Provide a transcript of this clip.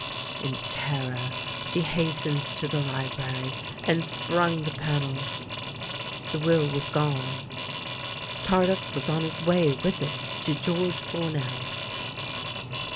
In terror she hastened to the library and sprung the panel. The will was gone. Tardif was on his way with it to George Fournel.